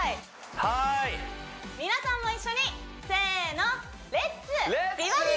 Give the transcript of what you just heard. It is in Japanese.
はい皆さんも一緒にせーの！